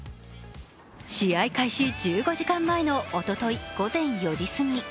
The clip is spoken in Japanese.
試合開始１５時間前のおととい午前４時すぎ。